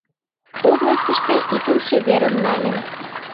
— Областьыште икымше верым нальым.